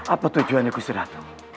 apa tujuannya gusiratu